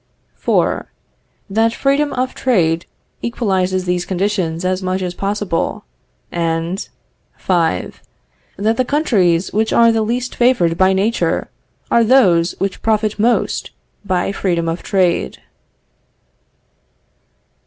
4. That freedom of trade equalizes these conditions as much as possible; and 5. That the countries which are the least favored by nature are those which profit most by freedom of trade.